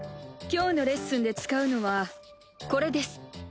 今日のレッスンで使うのはこれです。